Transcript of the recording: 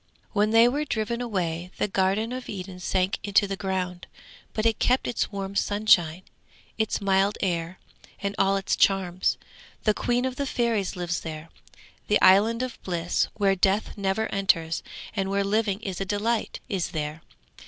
'When they were driven away the Garden of Eden sank into the ground, but it kept its warm sunshine, its mild air, and all its charms. The queen of the fairies lives there. The Island of Bliss, where death never enters, and where living is a delight, is there.